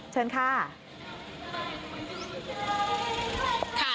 เชิญค่ะ